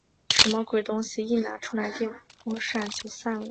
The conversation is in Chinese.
什么鬼东西？一拿出来风扇就散了。